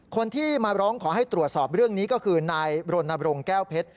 คนที่มาร้องขอให้ตรวจสอบเรื่องนี้ก็คือนายรณบรงค์แก้วเพชร